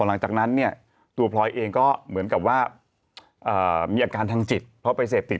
หลังจากนั้นเนี่ยตัวพลอยเองก็เหมือนกับว่ามีอาการทางจิตเพราะไปเสพติด